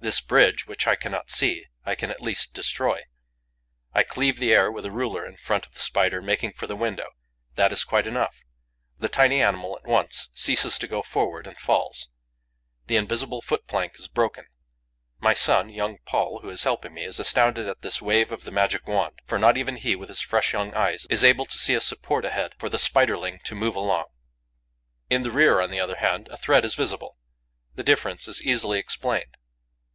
This bridge, which I cannot see, I can at least destroy. I cleave the air with a ruler in front of the Spider making for the window. That is quite enough: the tiny animal at once ceases to go forward and falls. The invisible foot plank is broken. My son, young Paul, who is helping me, is astounded at this wave of the magic wand, for not even he, with his fresh, young eyes, is able to see a support ahead for the Spiderling to move along. In the rear, on the other hand, a thread is visible. The difference is easily explained.